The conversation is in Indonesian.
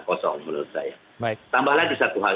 kosong menurut saya tambah lagi satu hal